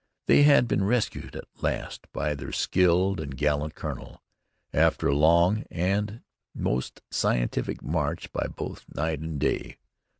They had been rescued at last by their skilled and gallant colonel, after a long and most scientific march by both night and day.